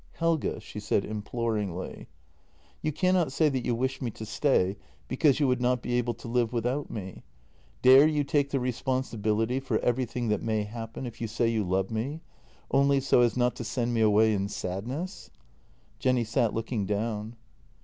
" Helge," she said imploringly. " You cannot say that you wish me to stay because you would not be able to live without me. Dare you take the responsibility for everything that may happen if you say you love me — only so as not to send me away in sadness ?" Jenny sat looking down.